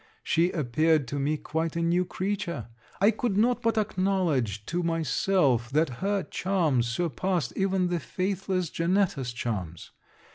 She appeared to me quite a new creature. I could not but acknowledge to myself, that her charms surpassed even the faithless Janetta's charms.